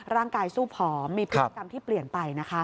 ร่างกายสู้ผอมมีพฤติกรรมที่เปลี่ยนไปนะคะ